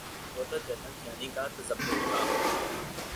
تو وہ جنرل کیانی کا تذبذب تھا۔